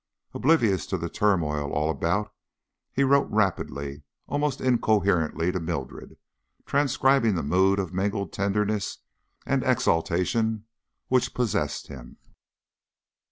Oblivious to the turmoil all about, he wrote rapidly, almost incoherently, to Mildred, transcribing the mood of mingled tenderness and exultation which possessed him.